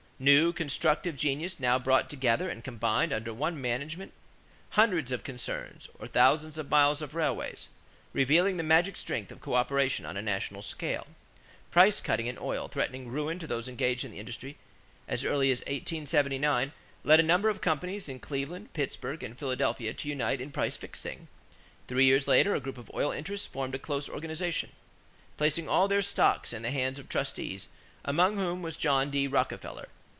New constructive genius now brought together and combined under one management hundreds of concerns or thousands of miles of railways, revealing the magic strength of coöperation on a national scale. Price cutting in oil, threatening ruin to those engaged in the industry, as early as 1879, led a number of companies in Cleveland, Pittsburgh, and Philadelphia to unite in price fixing. Three years later a group of oil interests formed a close organization, placing all their stocks in the hands of trustees, among whom was John D. Rockefeller.